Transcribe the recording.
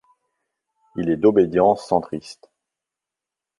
Il est d'obédience centriste.